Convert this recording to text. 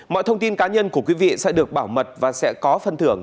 mọi thông tin cá nhân của quý vị sẽ được bảo mật và sẽ có phân thưởng